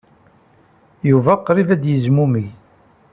Yuba qrib ay d-yezmumeg.